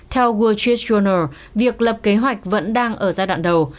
theo wall street journal việc lập kế hoạch vẫn đang ở giai đoạn đầu